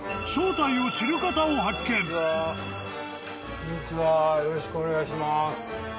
こんにちはよろしくお願いします。